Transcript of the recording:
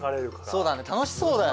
そうだね楽しそうだよね。